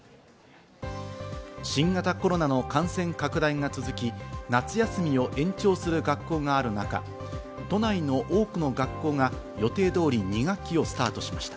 新型コロナの感染拡大が続き、夏休みを延長する学校がある中、都内の多くの学校が予定通り２学期をスタートしました。